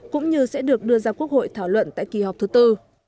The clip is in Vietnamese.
cũng như sẽ được đưa ra quốc hội thảo luận tại kỳ họp thứ tư